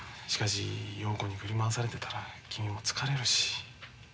しかし陽子に振り回されてたら君も疲れるし。